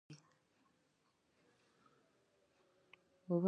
که وجدان ارام وي، ژوند خوږ وي.